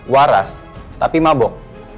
waras tapi mabok